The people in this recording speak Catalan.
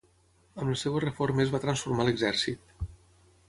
Amb les seves reformes va transformar l'exèrcit.